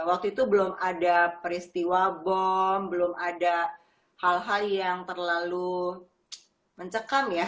waktu itu belum ada peristiwa bom belum ada hal hal yang terlalu mencekam ya